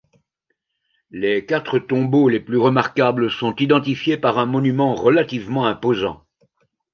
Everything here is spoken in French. Les quatre tombeaux les plus remarquables sont identifiés par un monument relativement imposant.